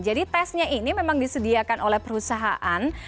jadi tesnya ini memang disediakan oleh perusahaan